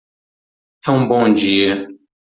É um bom dia.